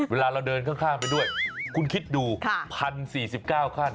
เวลาเราเดินข้างไปด้วยคุณคิดดู๑๐๔๙ขั้น